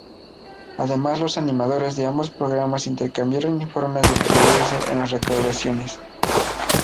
Además los animadores de ambos programas intercambiaron informes del progreso en las recaudaciones.